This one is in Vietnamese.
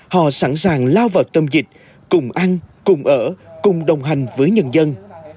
họ sẵn sàng lao vào tâm dịch cùng ăn cùng ở cùng đồng hành với nhân dân